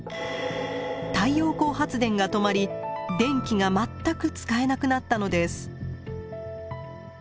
太陽光発電が止まり電気が全く使えなくなったのです。